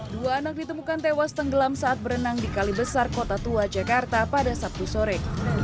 dua anak ditemukan tewas tenggelam saat berenang di kali besar kota tua jakarta pada sabtu sore